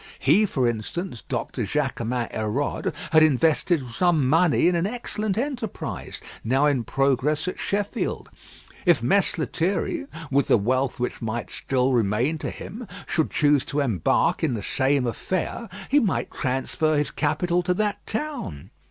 He, for instance, Doctor Jaquemin Hérode had invested some money in an excellent enterprise, now in progress at Sheffield. If Mess Lethierry, with the wealth which might still remain to him, should choose to embark in the same affair, he might transfer his capital to that town.